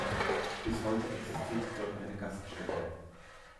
Bis heute existiert dort eine Gaststätte.